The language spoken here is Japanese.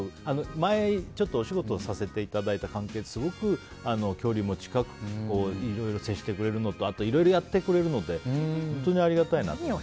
前お仕事をさせていただいた関係ですごく距離も近くいろいろ接してくれるのと、あといろいろやってくれるので本当にありがたいなと。